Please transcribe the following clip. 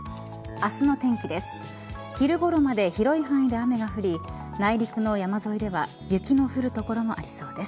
明日の天気です。